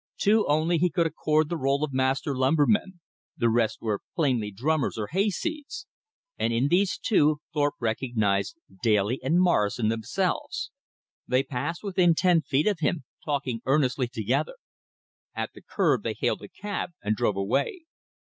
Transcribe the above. Two only he could accord the role of master lumbermen the rest were plainly drummers or hayseeds. And in these two Thorpe recognized Daly and Morrison themselves. They passed within ten feet of him, talking earnestly together. At the curb they hailed a cab and drove away.